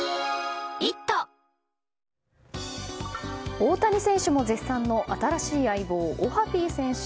大谷選手も絶賛の新しい相棒オハピー選手。